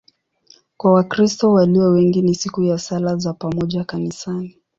Kwa Wakristo walio wengi ni siku ya sala za pamoja kanisani.